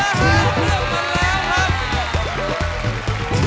เอาล่ะค่ะเลือกมาแล้วครับ